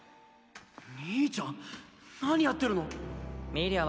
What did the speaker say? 兄ちゃん⁉何やってるの⁉見りゃ